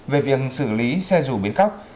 về việc xử lý xe dù biến cóc